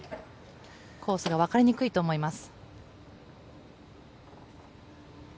コースが分かりにくいと思います。